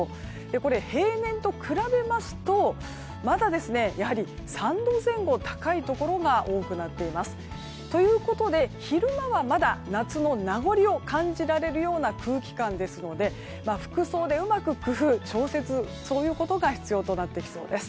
これ、平年と比べますとまだ３度前後高いところが多くなっています。ということで、昼間はまだ夏の名残を感じられるような空気感ですので服装でうまく工夫調節することが必要となってきそうです。